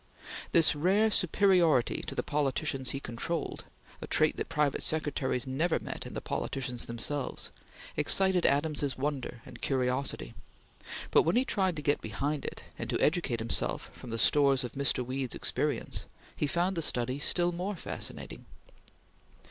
This rare superiority to the politicians he controlled, a trait that private secretaries never met in the politicians themselves, excited Adams's wonder and curiosity, but when he tried to get behind it, and to educate himself from the stores of Mr. Weed's experience, he found the study still more fascinating.